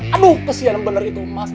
aduh kesian benar itu mas